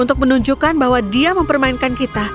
untuk menunjukkan bahwa dia mempermainkan kita